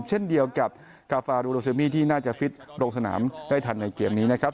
เช่นเดียวกับกาฟารูโรซิมีที่น่าจะฟิตลงสนามได้ทันในเกมนี้นะครับ